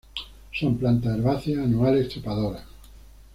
Son plantas herbáceas, anuales, trepadoras.